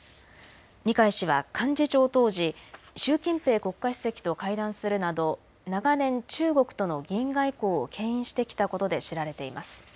二階氏は幹事長当時、習近平国家主席と会談するなど長年、中国との議員外交をけん引してきたことで知られています。